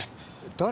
誰？